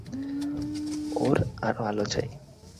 ওর আরও আলো চাই।